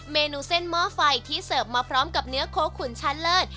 เมนูเส้นหม้อไฟที่เสิร์ฟมาพร้อมกับเนื้อโค้ขุนชั้นเลิศ